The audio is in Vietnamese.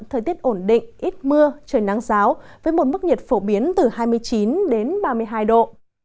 thời tiết ổn định ít mưa trời nắng giáo với một mức nhiệt phổ biến từ hai mươi chín đến ba mươi hai độ